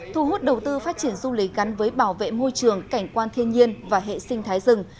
thu hút đầu tư phát triển du lịch gắn với bảo vệ môi trường cảnh quan thiên nhiên và hệ sinh thái rừng